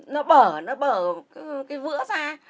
nó bở nó bở cái vữa ra